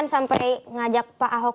sampai ngajak pak ahok